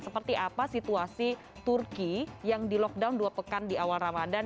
seperti apa situasi turki yang di lockdown dua pekan di awal ramadan